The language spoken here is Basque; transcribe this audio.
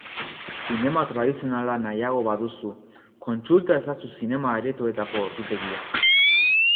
Zinema tradizionala nahiago baduzu, kontsulta ezazu zinema-aretoetako ordutegia.